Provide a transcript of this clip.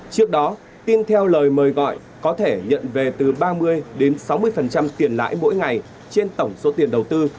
trước đó tin theo lời mời gọi có thể nhận về từ ba mươi đến sáu mươi tiền lãi mỗi ngày trên tổng số tiền đầu tư